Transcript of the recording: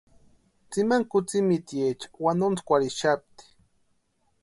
Tsimani kutsïmitiecha wantontskwarhixapti.